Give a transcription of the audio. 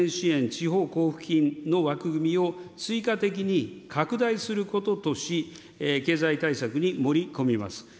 地方交付金の枠組みを追加的に拡大することとし、経済対策に盛り込みます。